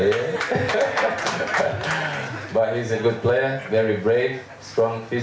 dia adalah pemimpin